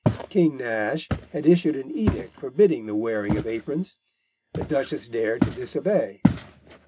King Nash had issued an edict forbidding the wearing of aprons. The Duchess dared to disobey.